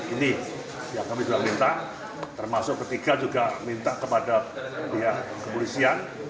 ini yang kami juga minta termasuk ketiga juga minta kepada pihak kepolisian